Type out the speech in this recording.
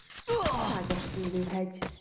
Tágas szőlőhegy.